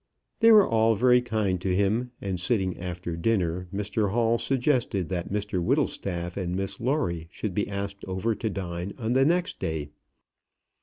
They were all very kind to him, and sitting after dinner, Mr Hall suggested that Mr Whittlestaff and Miss Lawrie should be asked over to dine on the next day.